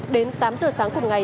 đến tám giờ sáng cùng ngày